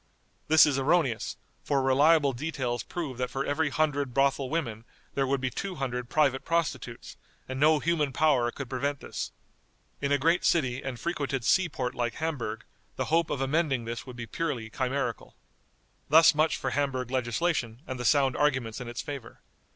This is erroneous, for reliable details prove that for every hundred brothel women there would be two hundred private prostitutes, and no human power could prevent this. In a great city and frequented sea port like Hamburg, the hope of amending this would be purely chimerical." Thus much for Hamburg legislation, and the sound arguments in its favor.